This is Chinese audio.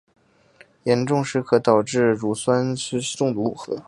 严重时可导致乳酸性酸中毒和。